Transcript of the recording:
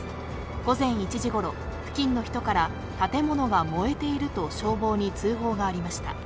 午前１時ごろ、付近の人から建物が燃えていると消防に通報がありました。